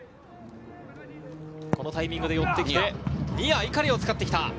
このタイミングで寄ってきて、碇を使ってきた。